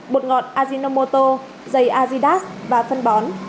bột ngọt ajinomoto dây azidas và phân bón